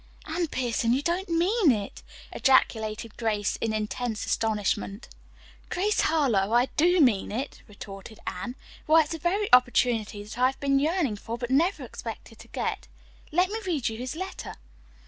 "Anne Pierson, you don't mean it," ejaculated Grace in intense astonishment. "Grace Harlowe, I do mean it," retorted Anne. "Why it's the very opportunity that I've been yearning for, but never expected to get. Let me read you his letter."